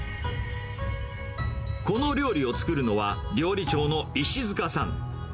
この料理を作るのは、料理長の石塚さん。